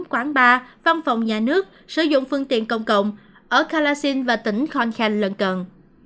quán bar văn phòng nhà nước sử dụng phương tiện công cộng ở kalashin và tỉnh khon khanh lần cận